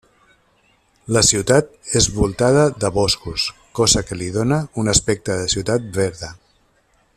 La ciutat és voltada de boscos, cosa que li dóna un aspecte de ciutat verda.